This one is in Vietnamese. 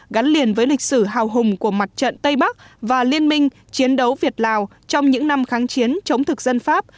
gắn liền với lịch sử hào hùng của mặt trận tây bắc và liên minh chiến đấu việt lào trong những năm kháng chiến chống thực dân pháp